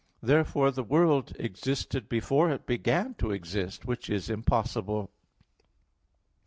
Therefore the world existed before it began to exist: which is impossible.